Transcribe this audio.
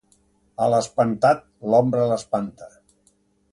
A l'espantat, l'ombra l'espanta.